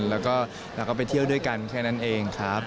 แล้วก็เราก็ไปเที่ยวด้วยกันแค่นั้นเองครับ